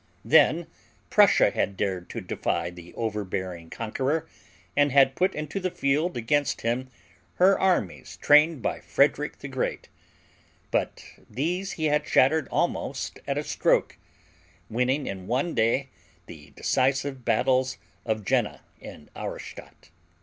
Then Prussia had dared to defy the over bearing conqueror and had put into the field against him her armies trained by Frederick the Great; but these he had shattered almost at a stroke, winning in one day the decisive battles of Jena and Auerstadt.